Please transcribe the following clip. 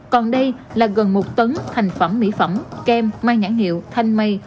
còn đây là gần một tấn thành phẩm mỹ phẩm kem mai nhãn hiệu thanh mây